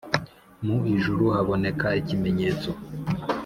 Mu ijuru haboneka ikimenyetso